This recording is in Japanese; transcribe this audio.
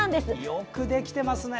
よくできてますね。